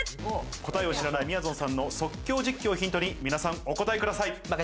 答えを知らないみやぞんさんの即興実況をヒントに皆さん、お答えください。